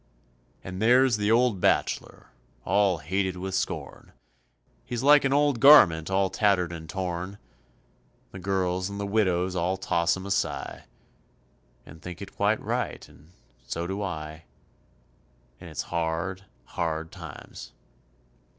And there's the old bachelor, all hated with scorn, He's like an old garment all tattered and torn, The girls and the widows all toss him a sigh, And think it quite right, and so do I, And it's hard, hard times.